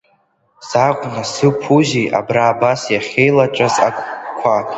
Закә насыԥузеи абра абас иахьеилаҵәаз агәқәа!